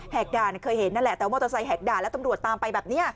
กด่านเคยเห็นนั่นแหละแต่ว่ามอเตอร์ไซคด่านแล้วตำรวจตามไปแบบนี้